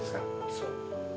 そう。